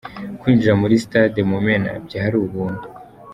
Kwinjira muri sitade Mumena byari ubuntu.